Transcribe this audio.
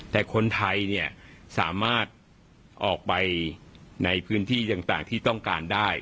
แต่คนไทยเนี่ยสามารถออกไปในพื้นที่ต่างที่ต้องการได้